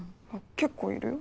結構いるよ。